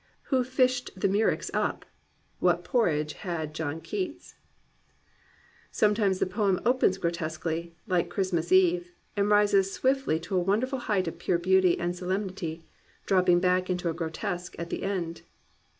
Who fished the miu ex up.'* What porridge had John Keats ?'* Sometimes the poem opens grotesquely, like Christ" mas EvCy and rises swiftly to a wonderful height of pure beauty and solemnity, dropping back into a grotesque at the end.